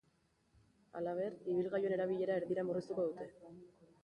Halaber, ibilgailuen erabilera erdira murriztuko dute.